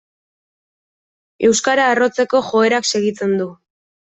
Euskara arrotzeko joerak segitzen du.